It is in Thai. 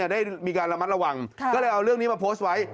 ได้มีการระมัดระวังก็เลยเอาเรื่องนี้มาโพสต์ไว้